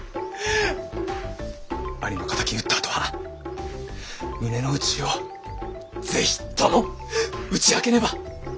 兄の敵討ったあとは胸の内をぜひとも打ち明けねば。